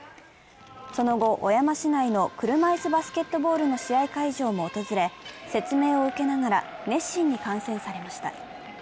その後、小山市内の車いすバスケットボールの試合会場も訪れ、説明を受けながら熱心に観戦されました。